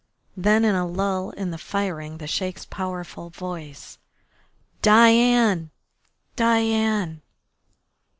Then in a lull in the firing the Sheik's powerful voice: "Diane! Diane!"